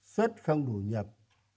xuất không đủ nhập